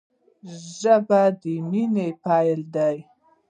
ژبه د مینې پیل دی